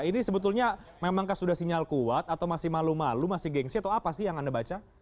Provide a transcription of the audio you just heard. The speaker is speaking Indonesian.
ini sebetulnya memangkah sudah sinyal kuat atau masih malu malu masih gengsi atau apa sih yang anda baca